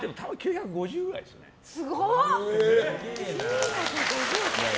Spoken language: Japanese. すごっ！